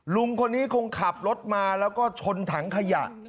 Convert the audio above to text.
ลุงคนนี้คงขับรถมาแล้วก็ชนถังขยะ